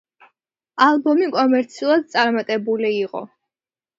ალბომი კომერციულად წარმატებული იყო.